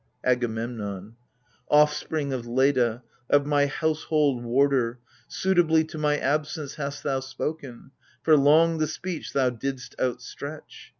AGAMEMNON. Offspring of Leda, of my household warder, Suitably to my absence hast thou spoken, For long the speech thou didst outstretch